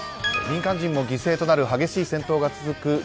民間人も犠牲となる激しい戦闘が続く